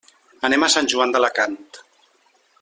Anem a Sant Joan d'Alacant.